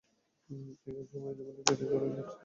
এসব সময়ে ঝামেলা এড়িয়ে চলা উচিত।